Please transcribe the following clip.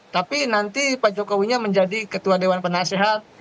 tapi nanti pak jokowinya menjadi ketua dewan penasehat